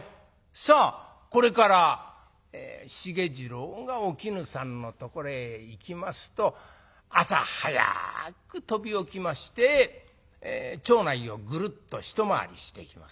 さあこれから繁二郎がお絹さんのところへ行きますと朝早く飛び起きまして町内をぐるっと一回りしてきます。